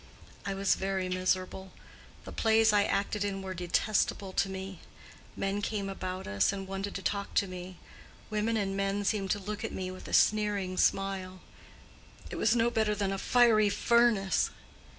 I was very miserable. The plays I acted in were detestable to me. Men came about us and wanted to talk to me: women and men seemed to look at me with a sneering smile; it was no better than a fiery furnace.